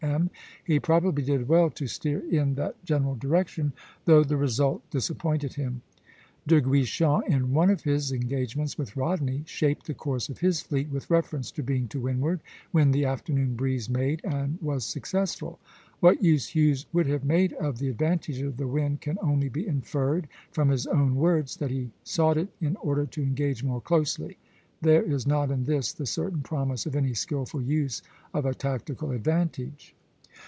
M., he probably did well to steer in that general direction, though the result disappointed him. De Guichen in one of his engagements with Rodney shaped the course of his fleet with reference to being to windward when the afternoon breeze made, and was successful. What use Hughes would have made of the advantage of the wind can only be inferred from his own words, that he sought it in order to engage more closely. There is not in this the certain promise of any skilful use of a tactical advantage.